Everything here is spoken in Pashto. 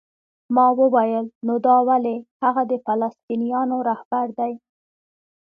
ما وویل: نو دا ولې؟ هغه د فلسطینیانو رهبر دی؟